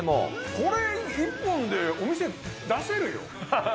これ、一本でお店出せるよ。